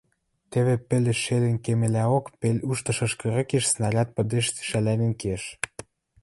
Теве пӹлӹш шелӹн кемӹлӓок пел уштышаш кырыкеш снаряд пыдешт шӓлӓнен кеш.